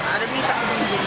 ada ini satu minggu